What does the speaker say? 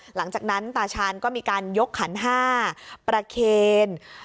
หลังจากนั้นตาชาญก็มีการยกขันห้าประเคน